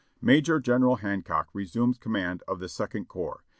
"Major General Hancock resumes command of the Second Corps.